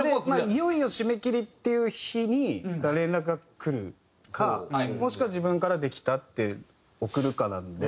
いよいよ締め切りっていう日に連絡がくるかもしくは自分から「できた」って送るかなので。